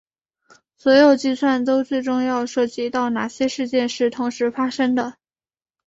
所有计算都最终要涉及到哪些事件是同时发生的。